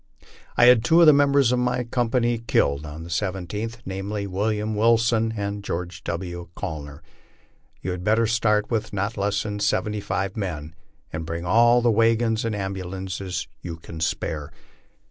I had two of the members of my company killed on the I7th, namely, William Wilson and George W. Gainer. Yon had better start with not less than seventy five men and bring all the wagons and ambulances you can spare.